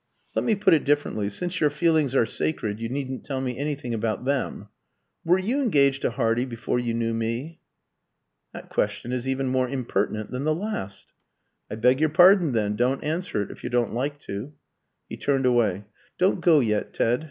"Let me put it differently since your feelings are sacred, you needn't tell me anything about them. Were you engaged to Hardy before you knew me?" "That question is even more impertinent than the last." "I beg your pardon then. Don't answer it, if you don't like to." He turned away. "Don't go yet, Ted.